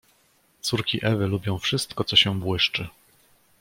"Córki Ewy lubią wszystko co się błyszczy."